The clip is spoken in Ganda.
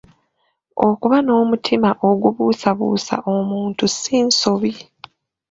Okuba n’omutima ogubuusabuusa omuntu si nsobi.